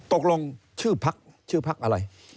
ตกลงชื่อพักชื่อพักอะไร